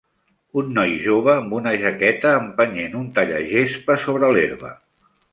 Un noi jove amb una jaqueta empenyent un tallagespa sobre l'herba.